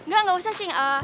gak gak usah cing